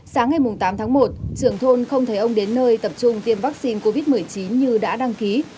sáng ngày tám tháng một trưởng thôn không thấy ông đến nơi tập trung tiêm vaccine covid một mươi chín như đã đăng ký